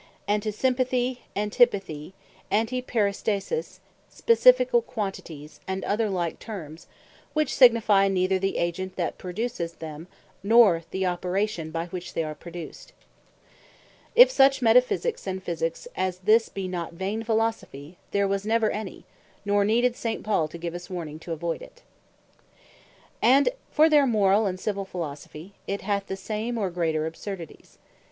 And to Sympathy, Antipathy, Antiperistasis, Specificall Qualities, and other like Termes, which signifie neither the Agent that produceth them, nor the Operation by which they are produced. If such Metaphysiques, and Physiques as this, be not Vain Philosophy, there was never any; nor needed St. Paul to give us warning to avoid it. One Makes The Things Incongruent, Another The Incongruity And for their Morall, and Civill Philosophy, it hath the same, or greater absurdities.